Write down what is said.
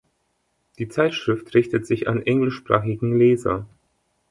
Die Zeitschrift richtet sich an englischsprachigen Leser.